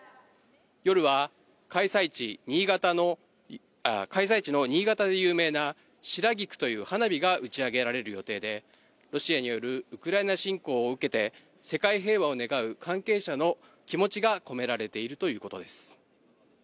夜は開催地の新潟で有名な白菊という花火が打ち上げられる予定で、ロシアによるウクライナ侵攻を受けて、世界平和を願う関係者の気持ちが込められているということです。